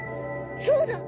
そうだ。